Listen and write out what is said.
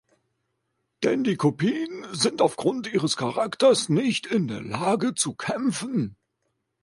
Denn die Kopien sind aufgrund ihres Charakters nicht in der Lage zu kämpfen.